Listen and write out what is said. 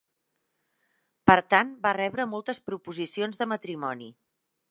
Per tant, va rebre moltes proposicions de matrimoni.